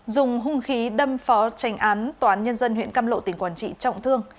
dùng hung khí đâm phó tranh án toán nhân dân huyện căm lộ tỉnh quản trị trọng thương